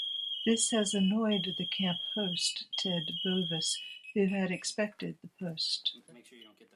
This has annoyed the camp host, Ted Bovis, who had expected the post.